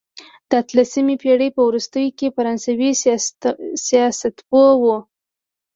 د اتلسمې پېړۍ په وروستیو کې فرانسوي سیاستپوه وو.